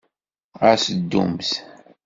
Ɣas ddumt.